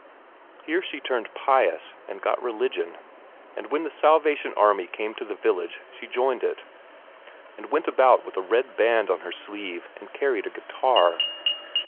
Here she turned pious and got religion, and when the Salvation Army came to the village she joined it, and went about with a red band on her sleeve and carried a guitar.